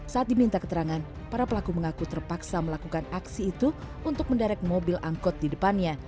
saat diminta keterangan para pelaku mengaku terpaksa melakukan aksi itu untuk menderek mobil angkot di depannya